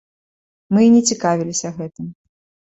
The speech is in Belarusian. Мы і не цікавіліся гэтым.